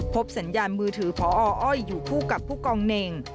สัญญาณมือถือพออ้อยอยู่คู่กับผู้กองเน่ง